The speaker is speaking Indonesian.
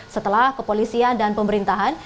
setelah kepolisian dan pemerintahan